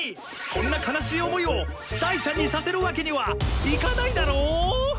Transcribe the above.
そんな悲しい思いをダイちゃんにさせるわけにはいかないだろう！？